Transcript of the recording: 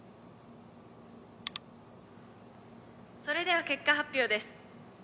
「それでは結果発表です」